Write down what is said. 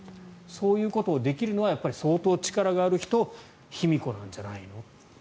そういうことをできるのは相当力がある人卑弥呼なんじゃないの。